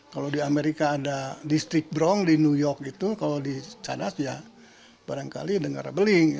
kalau di amerika ada distrik bronk di new york kalau di cicadas ya barangkali negara beling